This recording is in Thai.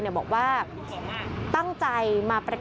พี่บูรำนี้ลงมาแล้ว